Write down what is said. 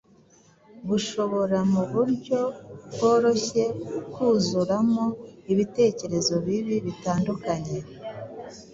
bushobora mu buryo bworoshye kuzuramo ibitekerezo bibi bitandukanye.